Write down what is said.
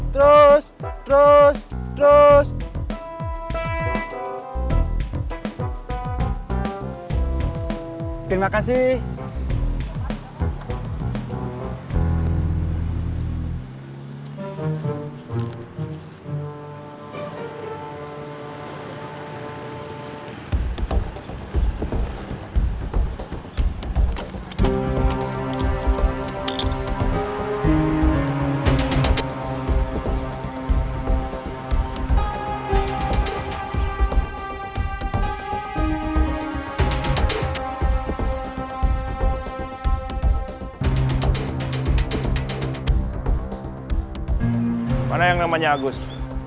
terus terus terus terus terus terus